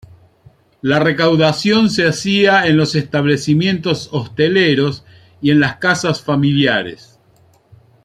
La recaudación se hacía en los establecimientos hosteleros y en las casas familiares.